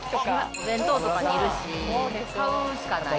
お弁当とかにいるし、買うしかない。